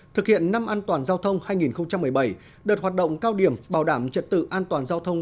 thực hiện năm an toàn giao thông hai nghìn một mươi bảy đợt hoạt động cao điểm bảo đảm trật tự an toàn giao thông